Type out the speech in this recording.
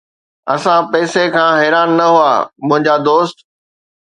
اسان پئسا کان حيران نه هئا، منهنجا دوست